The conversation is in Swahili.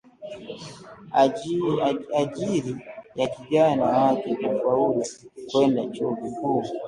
ajili ya kijana wake kufaulu kwenda chuo kikuu